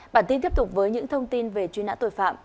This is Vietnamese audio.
bản tin tiếp tục với những thông tin về truy nã tội phạm